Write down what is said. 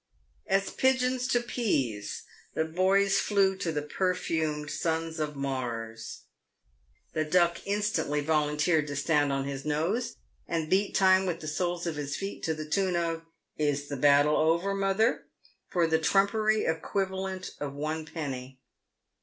As pigeons to peas, the boys flew to the perfumed sons of Mars. The Duck instantly volunteered to stand on his nose and beat time with the soles of his" feet to the tune of " Is the Battle over, Mother ?" for the trumpery equivalent of one penny.